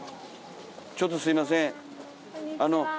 ちょっとすみません。